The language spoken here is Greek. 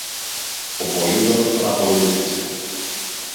Ο Πολύδωρος τον ακολούθησε.